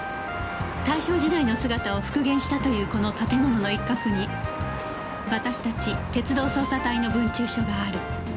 大正時代の姿を復元したというこの建物の一角に私たち鉄道捜査隊の分駐所がある